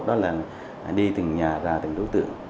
đó là đi từng nhà ra từng đối tượng